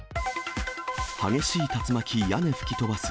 激しい竜巻、屋ね吹き飛ばす。